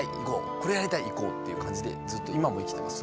これやりたい行こう！っていう感じでずっと今も生きてます。